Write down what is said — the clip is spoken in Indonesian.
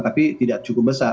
tapi tidak cukup besar